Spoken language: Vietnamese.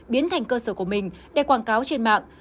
biến thành cơ sở của mình để quảng cáo trên mạng